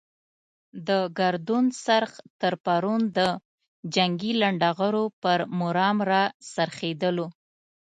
د ګردون څرخ تر پرون د جنګي لنډه غرو پر مرام را څرخېدلو.